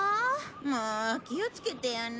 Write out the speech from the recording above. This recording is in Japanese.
もう気をつけてよね。